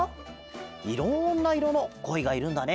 いろんないろのコイがいるんだね。